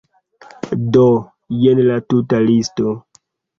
Do, jen la tuta listo.